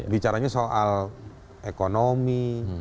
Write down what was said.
bicaranya soal ekonomi